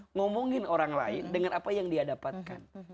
ngomongin orang lain dengan apa yang dia dapatkan